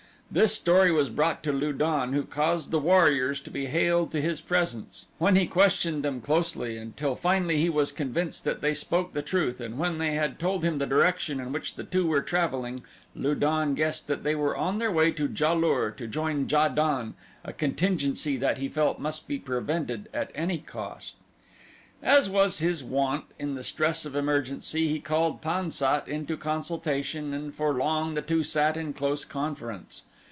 This story was brought to Lu don who caused the warriors to be hailed to his presence, when he questioned them closely until finally he was convinced that they spoke the truth and when they had told him the direction in which the two were traveling, Lu don guessed that they were on their way to Ja lur to join Ja don, a contingency that he felt must be prevented at any cost. As was his wont in the stress of emergency, he called Pan sat into consultation and for long the two sat in close conference.